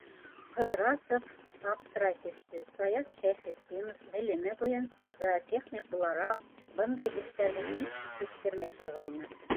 Ҡыҙрасов аптырай төштө: Саяф Шәйхетдинов, белеме буйынса зоотехник булараҡ, бындай эштәрҙе һис кисектермәй торғайны.